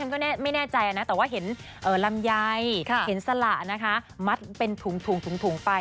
โต๊ะอันนี้ฉันก็ไม่แน่ใจนะ